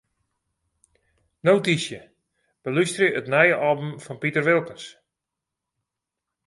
Notysje: Belústerje it nije album fan Piter Wilkens.